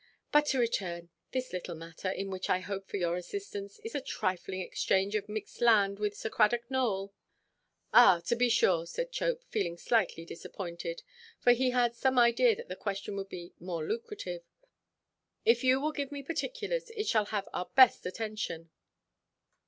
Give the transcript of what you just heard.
But to return: this little matter, in which I hope for your assistance, is a trifling exchange of mixed land with Sir Cradock Nowell." "Ah, to be sure!" said Chope, feeling slightly disappointed, for he had some idea that the question would be more lucrative; "if you will give me particulars, it shall have our best attention."